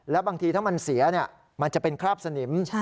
แล้วบางทีถ้ามันเสียมันจะเป็นคราบสนิม